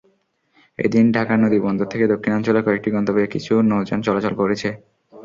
এদিন ঢাকা নদীবন্দর থেকে দক্ষিণাঞ্চলের কয়েকটি গন্তব্যে কিছু নৌযান চলাচল করেছে।